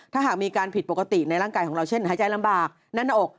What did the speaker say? ถ้าหากมีการผิดปกติในร่างกายของเราเช่นหายใจลำบากแน่นหน้าอก